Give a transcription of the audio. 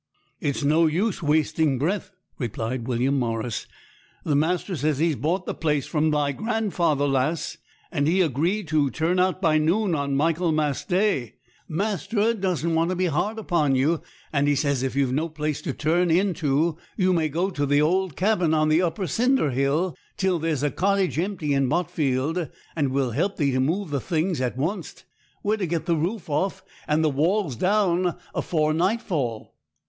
'It's no use wasting breath,' replied William Morris. 'The master says he's bought the place from thy grandfather, lass; and he agreed to turn out by noon on Michaelmas Day. Master doesn't want to be hard upon you; and he says, if you've no place to turn in to, you may go to the old cabin on the upper cinder hill, till there's a cottage empty in Botfield; and we'll help thee to move the things at wunst. We're to get the roof off and the walls down afore nightfall.'